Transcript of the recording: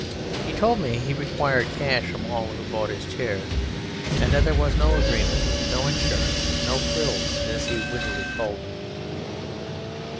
He told me he required cash from all who bought his chairs; that there was no agreement, no insurance no "frills," as he wittily called them.